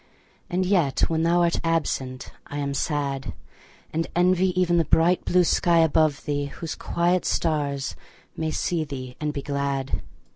And yet when thou art absent I am sad; And envy even the bright blue sky above thee, Whose quiet stars may see thee and be glad.